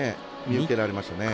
見受けられましたね。